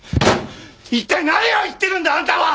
一体何を言ってるんだ！？あんたは！